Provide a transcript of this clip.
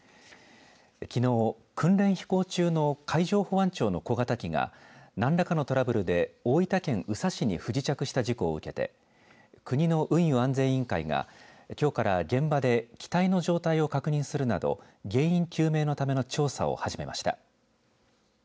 きのう、訓練飛行中の海上保安庁の小型機が何らかのトラブルで大分県宇佐市に不時着した事故を受けて国の運輸安全委員会がきょうから現場で機体の状態を確認するなど原因究明のための調査を始めました。